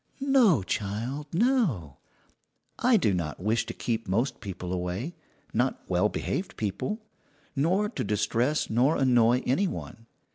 "No, child, no; I do not wish to keep most people away not well behaved people nor to distress nor annoy any one.